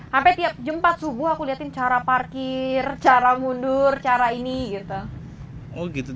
sampai tiap jam empat subuh aku liatin cara parkir cara mundur cara ini gitu